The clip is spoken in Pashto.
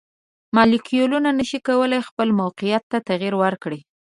مالیکولونه نشي کولی خپل موقیعت ته تغیر ورکړي.